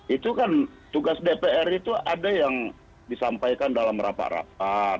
itu kan tugas dpr itu ada yang disampaikan dalam rapat rapat